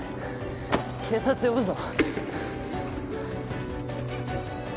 警察呼ぶぞ。